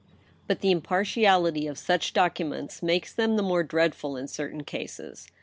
But the impartiality of such documents makes them the more dreadful in certain cases.